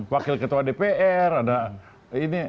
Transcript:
wakil ketua dpr ada ini